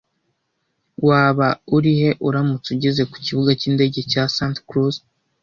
Waba urihe uramutse ugeze ku kibuga cy'indege cya Santa Cruz